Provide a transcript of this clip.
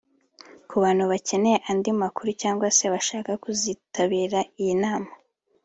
Ku bantu bakeneye andi makuru cyangwa se bashaka kuzitabira iyi nama